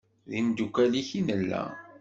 D imdukal-ik i nella.